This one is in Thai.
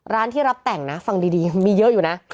ที่รับแต่งนะฟังดีมีเยอะอยู่นะ